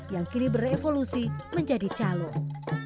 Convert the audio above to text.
yang kini berevolusi menjadi calon